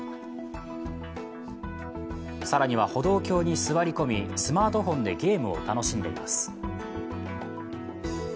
更には、歩道橋に座り込み、スマートフォンでゲームを楽しんでいます。